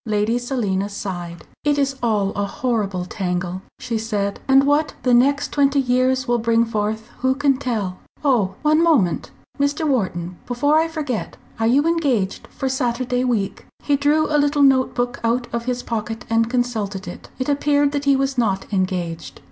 Lady Selina sighed. "It is all a horrible tangle," she said, "and what the next twenty years will bring forth who can tell? Oh! one moment, Mr. Wharton, before I forget. Are you engaged for Saturday week?" He drew a little note book out of his pocket and consulted it. It appeared that he was not engaged.